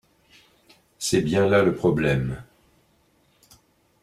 C’est bien là le problème.